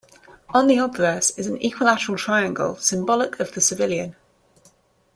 On the obverse is an equilateral triangle symbolic of the civilian.